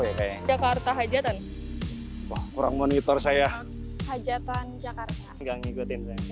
ya kayak jakarta hajatan kurang monitor saya hajatan jakarta